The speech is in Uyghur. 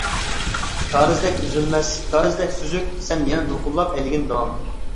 كارىزدەك ئۈزۈلمەس، كارىزدەك سۈزۈك، سەن يەنە دولقۇنلاپ ئەيلىگىن داۋام.